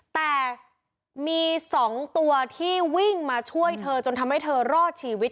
แต่มี๒ตัวที่วิ่งมาช่วยเธอจนทำให้เธอรอดชีวิต